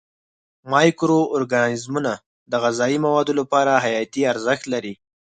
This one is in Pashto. مایکرو ارګانیزمونه د غذایي موادو لپاره حیاتي ارزښت لري.